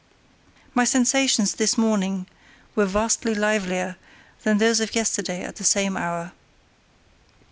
My sensations this morning were vastly livelier than those of yesterday at the same hour.